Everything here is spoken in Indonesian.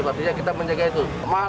berarti kita menjaga itu